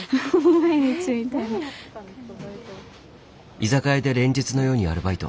居酒屋で連日のようにアルバイト。